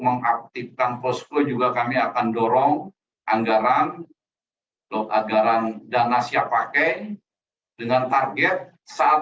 mengaktifkan posko juga kami akan dorong anggaran loh anggaran dana siap pakai dengan target saat